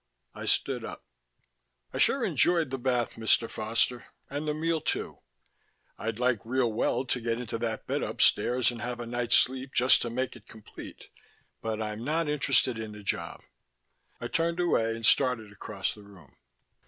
I stood up. "I sure enjoyed the bath, Mr. Foster, and the meal, too I'd like real well to get into that bed upstairs and have a night's sleep just to make it complete; but I'm not interested in the job." I turned away and started across the room.